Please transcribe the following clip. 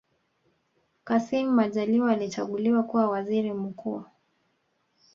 kassim majaliwa alichaguliwa kuwa waziri mkuu